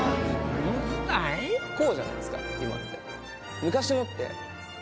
こうじゃないっすか今って。